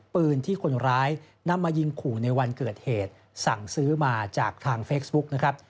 ปืนที่คนร้ายนำมายิงขู่ในวันเกิดเหตุสั่งซื้อมาจากทางเฟซบุ๊กนะครับ